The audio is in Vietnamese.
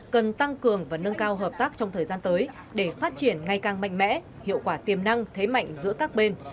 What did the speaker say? cần tăng cường và nâng cao hợp tác trong thời gian tới để phát triển ngày càng mạnh mẽ hiệu quả tiềm năng thế mạnh giữa các bên